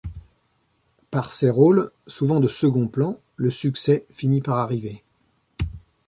Par ses rôles, souvent de second plan, le succès finit par arriver.